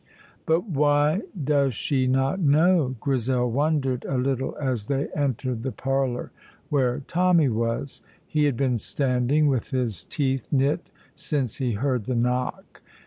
"But why does she not know?" Grizel wondered a little as they entered the parlour, where Tommy was; he had been standing with his teeth knit since he heard the knock.